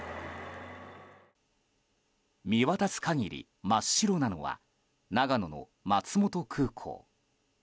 見渡す限り真っ白なのは長野の松本空港。